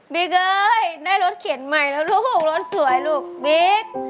เอ้ยได้รถเขียนใหม่แล้วลูกรถสวยลูกบิ๊ก